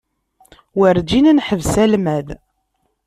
Werǧin ad naḥbes almad.